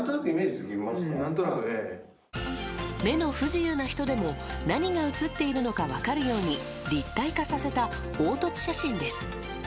目の不自由な人でも何が写っているのか分かるように立体化させた凹凸写真です。